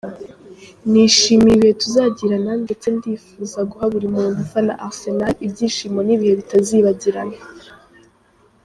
Nishimiye ibihe tuzagirana ndetse ndifuza guha buri muntu ufana Arsenal ibyishimo n’ibihe bitazibagirana.